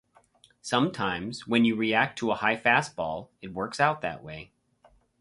Sometimes when you react to a high fastball it works out that way.